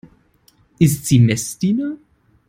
Ist sie Messdiener?